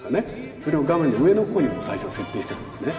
それを画面の上のほうにもう最初に設定してるんですね。